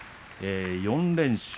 ４連勝。